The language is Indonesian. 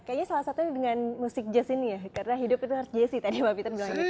kayaknya salah satunya dengan musik jazz ini ya karena hidup itu harus jazz y tadi pak peter bilang gitu